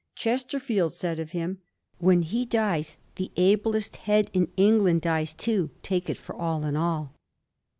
Chesterfield said of him, * When he dies the ablest head in England dies too, take it for all in all.'